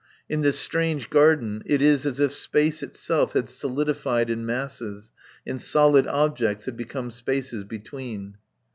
In this strange garden it is as if space itself had solidified in masses, and solid objects had become spaces between.